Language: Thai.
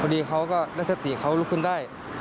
ดีเขาก็ได้สติเขาลุกขึ้นได้